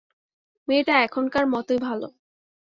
মেয়েটা এখানকার মতই ভালো।